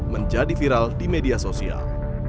menjadi viral di media sosial